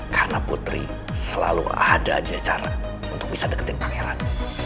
karena putri selalu ada aja cara untuk bisa deketin pangeran